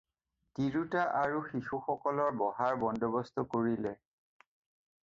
তিৰোতা আৰু শিশু সকলৰ বহাৰ বন্দৱস্ত কৰিলে।